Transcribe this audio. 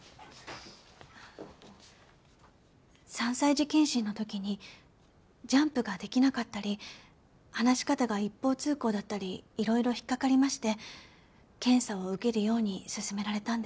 ３歳児健診の時にジャンプができなかったり話し方が一方通行だったりいろいろ引っかかりまして検査を受けるように勧められたんです。